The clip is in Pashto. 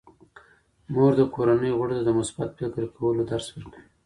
مور د کورنۍ غړو ته د مثبت فکر کولو درس ورکوي.